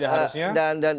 kalau tidak harusnya